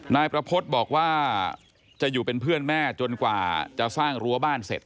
นายประพฤติบอกว่าจะอยู่เป็นเพื่อนแม่จนกว่าจะสร้างรั้วบ้านเสร็จ